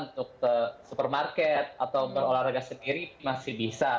untuk ke supermarket atau berolahraga sendiri masih bisa